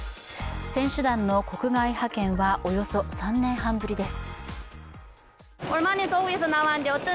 選手団の国外派遣はおよそ３年半ぶりです。